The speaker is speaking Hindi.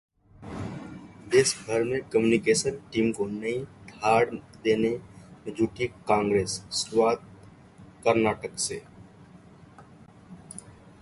देशभर में कम्युनिकेशन टीम को नई धार देने में जुटी कांग्रेस, शुरुआत कर्नाटक से